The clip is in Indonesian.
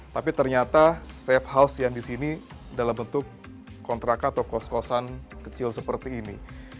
tapi ternyata safe house yang di sini dalam bentuk kontrakan atau kos kosan kecil seperti ini